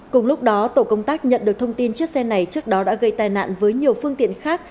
cùng lúc đó tổ công tác nhận được thông tin chiếc xe này trước đó đã gây tai nạn với nhiều phương tiện khác